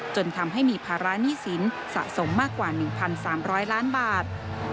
จนทำให้มีภาระหนี้สินสะสมมากกว่า๑๓๐๐ล้านบาท